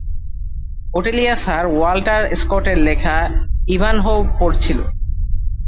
ওটেলিয়া sir Walter স্কটের লেখা "Ivanhoe" পড়ছিল।